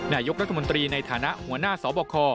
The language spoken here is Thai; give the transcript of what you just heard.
นายกรัฐมนตรีในฐานะหัวหน้าสบค